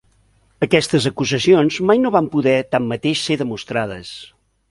Aquestes acusacions mai no van poder, tanmateix, ser demostrades.